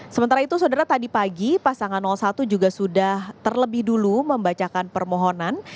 sementara itu saudara tadi pagi pasangan satu juga sudah terlebih dulu membacakan permohonan